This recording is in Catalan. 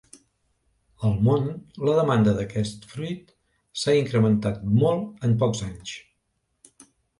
Al món la demanda d'aquest fruit s'ha incrementat molt en pocs anys.